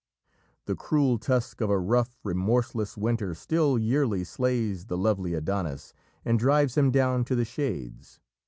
The cruel tusk of a rough, remorseless winter still yearly slays the "lovely Adonis" and drives him down to the Shades.